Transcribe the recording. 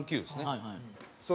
はい。